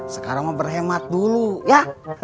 sekarang berhemat dulu ya